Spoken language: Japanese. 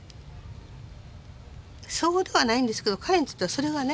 そうではないんですけど彼にとってはそれはね